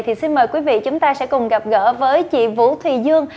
thì xin mời quý vị chúng ta sẽ cùng gặp gỡ với chị vũ thùy dương